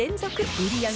売り上げ